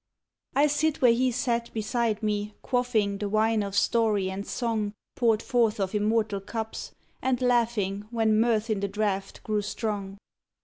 I sit where he sat beside me quaffing The wine of story and song Poured forth of immortal cups, and laughing When mirth in the draught grew strong.